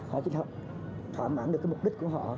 họ chỉ thỏa mãn được cái mục đích của họ